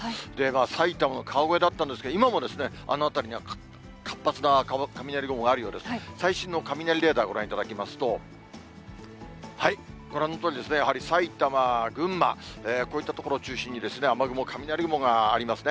埼玉の川越だったんですけれども、今もですね、あの辺りには活発な雷雲があるようで、最新の雷レーダー、ご覧いただきますと、ご覧のとおり、やはり埼玉、群馬、こういった所中心にですね、雨雲、雷雲がありますね。